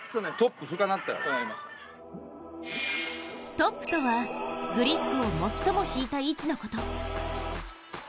トップとは、グリップを最も引いた位置のこと。